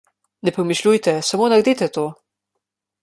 Ne premišljujte, samo naredite to.